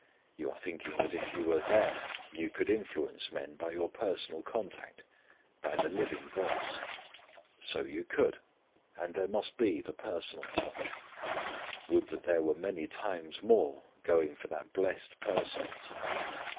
You are thinking that if you were there you could influence men by your personal contact, by the living voice. So you could. And there must be the personal touch. Would that there were many times more going for that blessed personal touch.